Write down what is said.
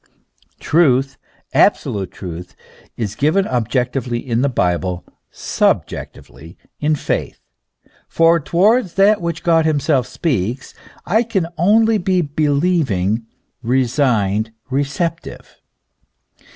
Truth, absolute truth, is given objectively in the Bible, sub jectively in faith; for towards that which God himself speaks I can only be believing, resigned, receptive.